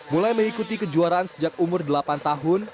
mulai mengikuti kejuaraan sejak umur delapan tahun